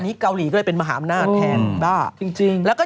ตอนนี้เกาหลีก็เลยเป็นมหาอำนาจแทนบ้า